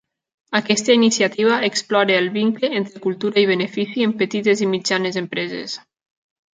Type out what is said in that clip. Aquesta iniciativa explora el vincle entre cultura i benefici en petites i mitjanes empreses.